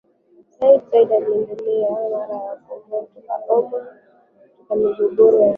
Sayyid Said alienda mara kwa mara nyumbani kwao Oman kutatua migogoro ya ndani